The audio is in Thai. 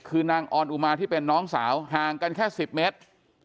คือนางออนอุมาที่เป็นน้องสาวห่างกันแค่๑๐เมตร